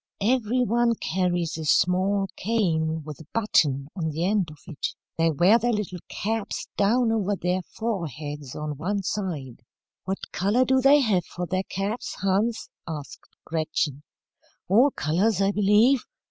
Every one carries a small cane with a button on the end of it. They wear their little caps down over their foreheads on one side." "What colour do they have for their caps, Hans?" asked Gretchen. "All colours, I believe.